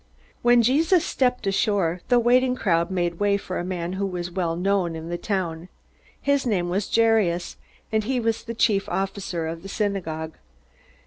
When Jesus stepped ashore, the waiting crowd made way for a man who was well known in the town. His name was Jairus, and he was the chief officer of the synagogue.